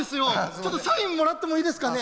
ちょっとサインもらってもいいですかね？